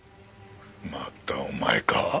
またお前か。